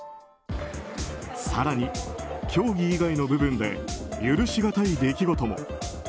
更に競技以外の部分で許しがたい出来事も。